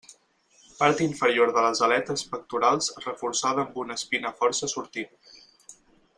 Part inferior de les aletes pectorals reforçada amb una espina força sortint.